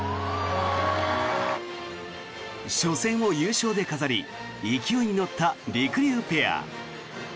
初戦を優勝で飾り勢いに乗ったりくりゅうペア。